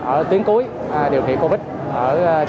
ở tiếng cuối điều trị covid